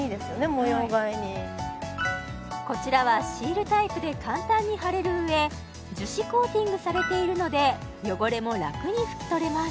模様替えにこちらはシールタイプで簡単に貼れるうえ樹脂コーティングされているので汚れも楽に拭き取れます